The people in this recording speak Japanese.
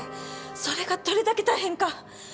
それがどれだけ大変か。